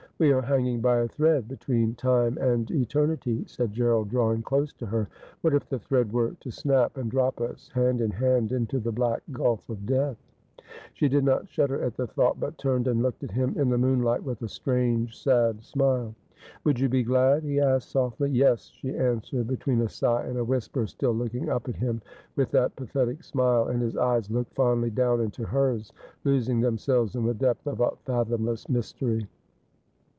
' We are hanging by a thread between time and eternity,' said Gerald, drawing closer to her. ' What if the thread were to snap, and drop us, hand in hand, into the black gulf of death ?' She did not shudder at the thought, but turned and looked at him in the moonlight, with a strange sad smile. ' Would you be glad ?' he asked softly. ' Yes,' she answered, between a sigh and a whisper, still looking up at him with that pathetic smile ; and his eyes looked fondly down into hers, losing themselves in the depth of a fathomless mystery.